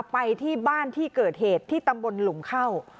ไปที่บ้านที่เกิดเหตุที่ตำบลหลุมเข้า